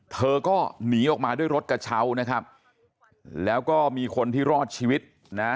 เธอก็หนีออกมาด้วยรถกระเช้านะครับแล้วก็มีคนที่รอดชีวิตนะ